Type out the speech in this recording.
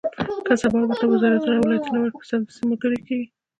که سبا ورته وزارتونه او ولایتونه ورکړي، سمدستي ملګري کېږي.